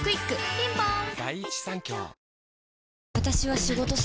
ピンポーン